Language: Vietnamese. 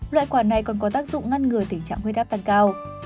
loại quả này còn có tác dụng ngăn ngừa tình trạng huyết áp tăng cao